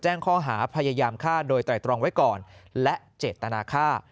แจ้งข้อหาพยายามฆ่าโดยไตรตรองไว้ก่อนและเจตนาค่า